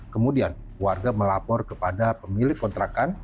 kemudian warga melapor kepada pemilik kontrakan